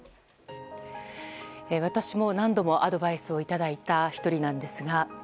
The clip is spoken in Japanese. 私も何度もアドバイスをいただいた１人なんですが。